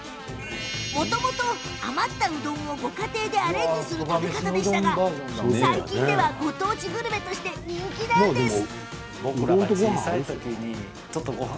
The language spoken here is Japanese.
もともと、余ったうどんをご家庭でアレンジする食べ方でしたが最近ではご当地グルメとして人気なんです。